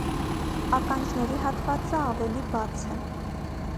Ականջների հատվածը ավելի բաց է։